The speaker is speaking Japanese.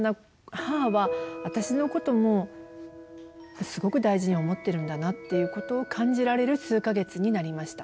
母は私のこともすごく大事に思ってるんだな」っていうことを感じられる数か月になりました。